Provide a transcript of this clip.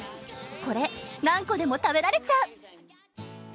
これ何個でも食べられちゃう！